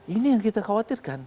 ini yang kita khawatirkan